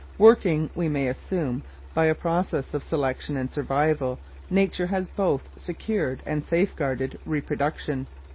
Working, we may assume, by a process of selection and survival, nature has both secured and safeguarded reproduction.